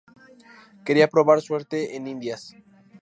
Quería probar suerte en Indias.